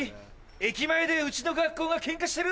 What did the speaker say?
駅前でうちの学校がケンカしてる？